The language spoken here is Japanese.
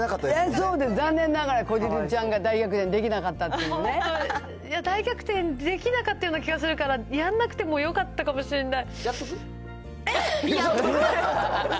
そうです、残念ながらこじるりちゃんが大逆転できなかったっいや、大逆転できなかったような気がするから、やんなくてもよかったかもしれない。